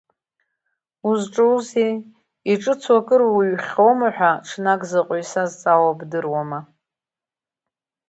Узҿузеи, иҿыцу акыр уҩхьоума ҳәа ҽнак заҟаҩы сазҵаауа бдыруама…